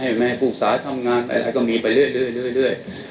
ให้แม่ปรึกษาทำงานไปอะไรก็มีไปเรื่อย